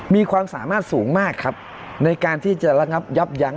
มีความสามารถสูงมากครับในการที่จะระงับยับยั้ง